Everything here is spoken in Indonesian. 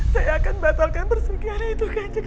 saya akan batalkan persugihan itu kang jeng